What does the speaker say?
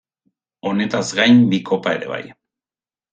Honetaz gain bi kopa ere bai.